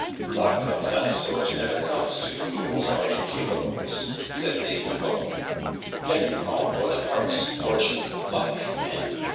"Luck of that sort never comes to fools or incapables," said des Lupeaulx. "Can you call Bonaparte's fortune luck, eh?